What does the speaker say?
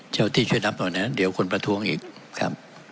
เจ้าที่ช่วยนับหน่อยนะเดี๋ยวคนประท้วงอีกครับ